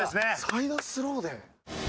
サイドスローで。